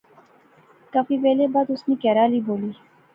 کافی ویلے بعد اس نے کہھرے آلی بولی